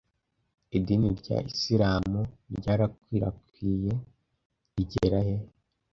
Idini rya Isiramu ryarakwirakwiye rigera he